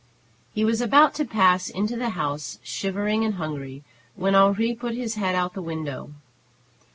He was about to pass into the house, shivering and hungry, when Henri put his head out at the window.